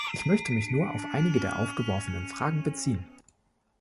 Ich möchte mich nur auf einige der aufgeworfenen Fragen beziehen.